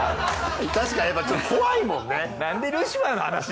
確かにちょっと怖いもんね。